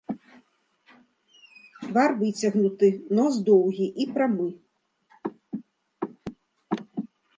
Твар выцягнуты, нос доўгі і прамы.